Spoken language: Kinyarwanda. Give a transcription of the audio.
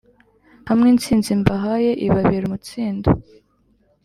hamwe intsinzi mbahaye ibabera umutsindo